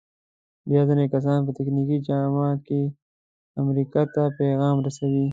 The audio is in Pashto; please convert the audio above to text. بیا ځینې کسان په تخنیکي جامه کې امریکا ته پیغام رسوي.